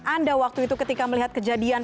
anda waktu itu ketika melihat kejadian